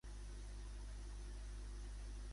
Quina mena de govern creu que fa falta a l'Estat?